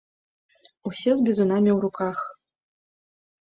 Усе з бізунамі ў руках.